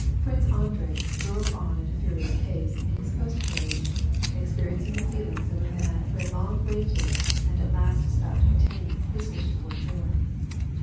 Prince Andrei drove on at a furious pace in his post carriage, experi encing the feelings of a man who has long waited and at last is about to attain his wished for joy.